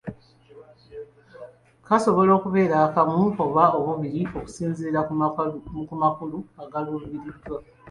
Kasobola okubeera akamu oba obubiri, okusinziira ku makulu agaluubirirwa.